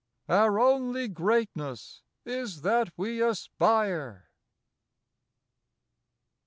Our only greatness is that we aspire.